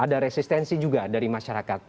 ada resistensi juga dari masyarakat